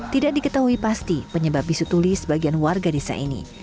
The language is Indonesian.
tidak diketahui pasti penyebab bisutuli sebagian warga desa ini